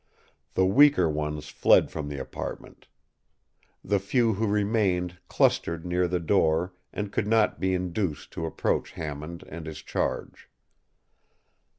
The weaker ones fled from the apartment. The few who remained clustered near the door and could not be induced to approach Hammond and his Charge.